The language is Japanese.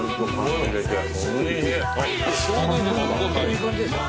いい感じでしょ。